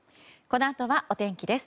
このあとはお天気です。